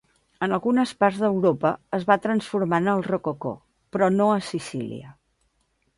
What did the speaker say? En algunes parts d'Europa es va transformar en el rococó, però no a Sicília.